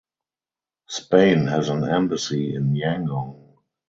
Spain has an embassy in Yangon.